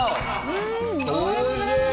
おいしい！